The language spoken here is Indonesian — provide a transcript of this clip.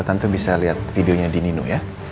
tante bisa lihat videonya di nino ya